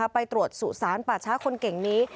ไปตรวจสู่สารปาชะคนเก่งนี้